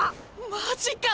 マジか？